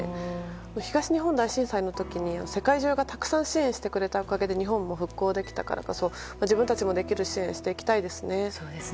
東日本大震災の時に世界中がたくさん支援してくれたからこそ復興できたので自分たちもできる支援をしていきたいですね。